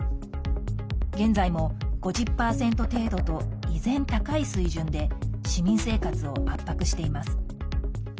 現在も５０％程度と依然、高い水準で市民生活を圧迫しています。